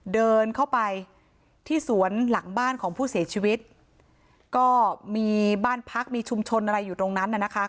เดินเข้าไปที่สวนหลังบ้านของผู้เสียชีวิตก็มีบ้านพักมีชุมชนอะไรอยู่ตรงนั้นน่ะนะคะ